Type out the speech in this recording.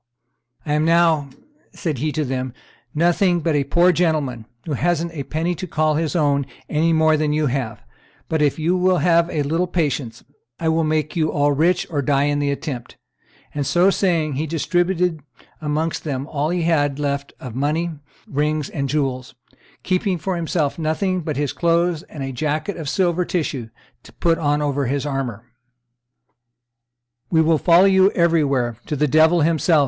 "I am now," said he to them, "nothing but a poor gentleman, who hasn't a penny to call his own any more than you have; but, if you will have a little patience, I will make you all rich or die in the attempt;" and, so saying, he distributed amongst them all he had left of money, rings, and jewels, keeping for himself nothing but his clothes and a jacket of silver tissue to put on over his armor. "We will follow you everywhere, to the devil himself!"